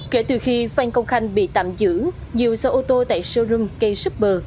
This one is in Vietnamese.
kể từ khi phan công khanh bị tạm giữ nhiều xe ô tô tại showroom k super